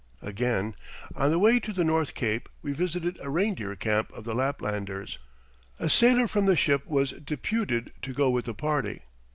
Again: On the way to the North Cape we visited a reindeer camp of the Laplanders. A sailor from the ship was deputed to go with the party.